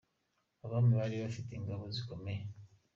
Abami bari bafite ingabo zikomeye.